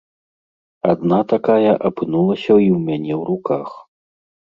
Адна такая апынулася і ў мяне ў руках.